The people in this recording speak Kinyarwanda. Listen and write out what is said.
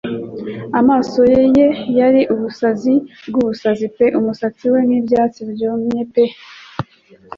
Amaso ye yari ubusazi bwubusazi pe umusatsi we nkibyatsi byumye pe